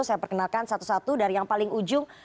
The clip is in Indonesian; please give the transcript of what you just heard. saya perkenalkan satu satu dari yang paling ujung